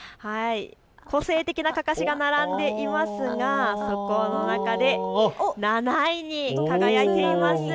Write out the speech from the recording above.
個性的なかかしが並んでいますがその中で７位に輝いています。